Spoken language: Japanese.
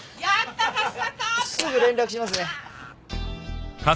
すぐ連絡しますね。